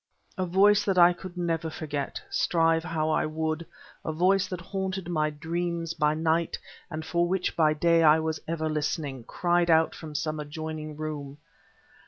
A voice that I could never forget, strive how I would, a voice that haunted my dreams by night, and for which by day I was ever listening, cried out from some adjoining room.